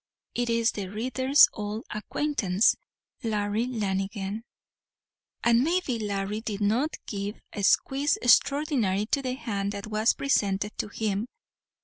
It is the reader's old acquaintance, Larry Lanigan; and maybe Larry did not give a squeeze extraordinary to the hand that was presented to him.